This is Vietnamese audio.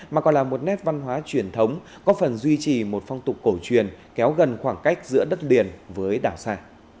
mà còn là một nét văn hóa truyền thống có phần duy trì một phong tục cổ truyền kéo gần khoảng cách giữa đất liền với đảo xa